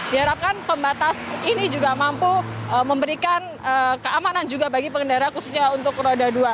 diharapkan pembatas ini juga mampu memberikan keamanan juga bagi pengendara khususnya untuk roda dua